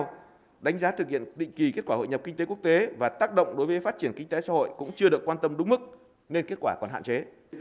các đánh giá thực hiện định kỳ kết quả hội nhập kinh tế quốc tế và tác động đối với phát triển kinh tế xã hội cũng chưa được quan tâm đúng mức nên kết quả còn hạn chế